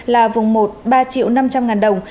là vùng một ba triệu năm trăm linh đồng